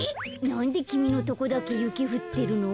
なんできみのとこだけゆきふってるの？